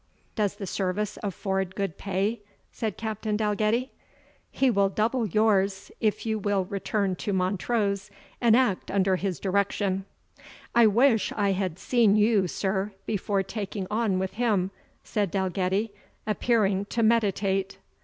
"Does the service afford good pay?" said Captain Dalgetty. "He will double yours, if you will return to Montrose and act under his direction." "I wish I had seen you, sir, before taking on with him," said Dalgetty, appearing to meditate.